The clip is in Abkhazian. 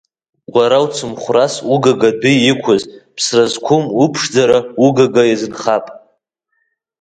Уара уцымхәрас угага адәы иқәыз, ԥсра зқәым уԥшӡара угага иазынхап.